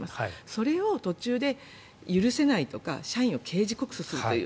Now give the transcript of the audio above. それを途中で許せないとか社員を刑事告訴するという。